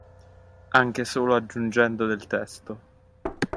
Anche solo aggiungendo del testo